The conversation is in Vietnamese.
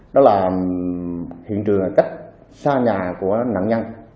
đó là hiện trường là cách xa nhà của nạn nhân